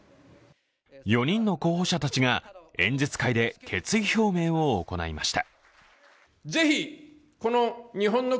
４人の候補者たちが演説会で決意表明を行いました。